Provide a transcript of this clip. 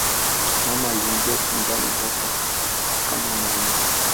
mama aliingia chumbani ghafla kama mzimu